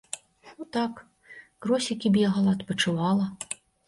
Ну так, кросікі бегала, адпачывала.